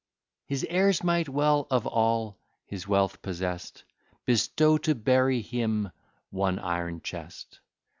His heirs might well, of all his wealth possesst Bestow, to bury him, one iron chest.